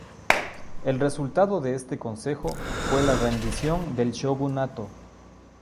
El resultado de este consejo fue la rendición del shogunato.